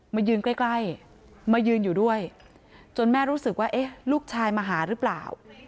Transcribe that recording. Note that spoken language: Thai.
มายืนใกล้มายืนอยู่ด้วยจนแม่รู้สึกว่าเอ๊ะลูกชายมาหาหรือเปล่า